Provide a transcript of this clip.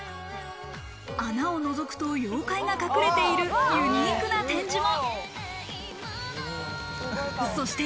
穴を覗くと妖怪が隠れているユニークな展示も。